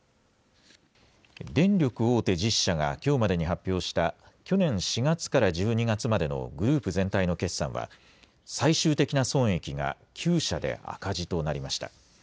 電力大手１０社がきょうまでに発表した、去年４月から１２月までのグループ全体の決算は、最終的な損益が９社で赤字となりました。